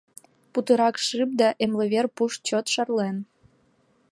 Путырак шып, да эмлымвер пуш чот шарлен.